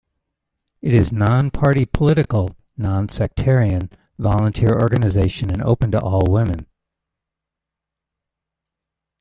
It is non party political, non sectarian, volunteer organisation and open to all women.